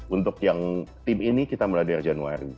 untuk yang tim ini kita mulai dari januari